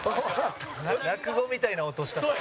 落語みたいな落とし方。